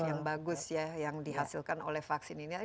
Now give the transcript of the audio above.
yang bagus ya yang dihasilkan oleh vaksin ini